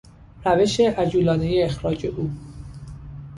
روش عجولانهی اخراج او